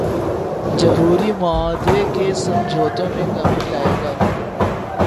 جوہری معاہدے کے سمجھوتوں میں کمی لائے گا۔